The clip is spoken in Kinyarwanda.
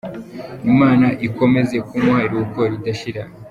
Imana Ikomeze Kumuha Iruhuko Ridashira ..